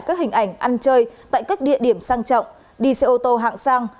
các hình ảnh ăn chơi tại các địa điểm sang trọng đi xe ô tô hạng sang